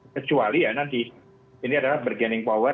kecuali ya nanti ini adalah bergening power